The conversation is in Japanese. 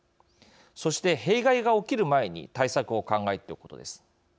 そして弊害が起きる前に対策を考えておくことです。